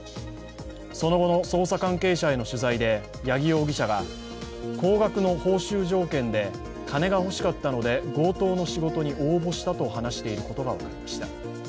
その後の捜査関係者への取材で八木容疑者が高額の報酬条件で、金が欲しかったので、強盗の仕事に応募したと話していることが分かりました。